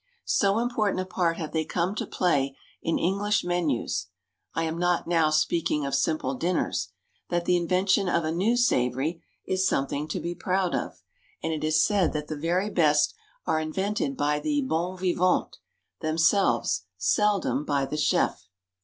So important a part have they come to play in English menus (I am not now speaking of simple dinners) that the invention of a new "savory" is something to be proud of, and it is said that the very best are invented by the bons vivants themselves, seldom by the chef.